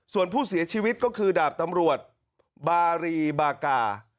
ส่วนผู้เสียชีวิตก็คือดาบตำรวจบารีบากา